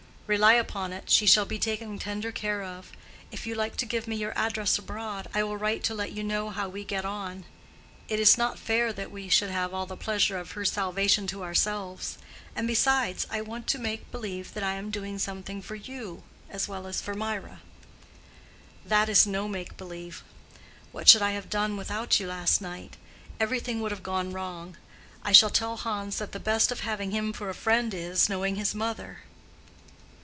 "Rely upon it, she shall be taken tender care of. If you like to give me your address abroad, I will write to let you know how we get on. It is not fair that we should have all the pleasure of her salvation to ourselves. And besides, I want to make believe that I am doing something for you as well as for Mirah." "That is no make believe. What should I have done without you last night? Everything would have gone wrong. I shall tell Hans that the best of having him for a friend is, knowing his mother."